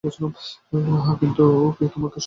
আহ, কিন্তু আমি তো তোমাকে সব কিছুই বললাম।